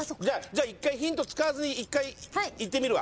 １回ヒント使わずいってみるわ。